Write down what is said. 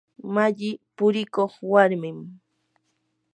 malli purikuq warmim.